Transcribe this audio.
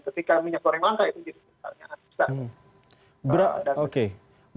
ketika minyak goreng langka itu jadi misalnya